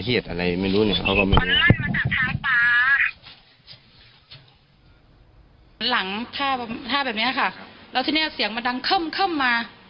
หลังท่าแบบเนี้ยค่ะแล้วที่เนี้ยเสียงมันดังเคิ่มเคิ่มมา